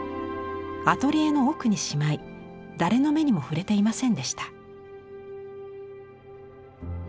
アトリエの奥にしまい誰の目にも触れていませんでした。